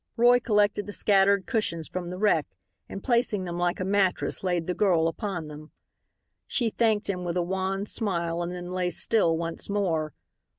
Roy collected the scattered cushions from the wreck, and placing them like a mattress laid the girl upon them. She thanked him with a wan smile and then lay still once more.